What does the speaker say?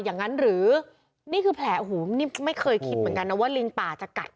อย่างนั้นหรือนี่คือแผลโอ้โหนี่ไม่เคยคิดเหมือนกันนะว่าลิงป่าจะกัด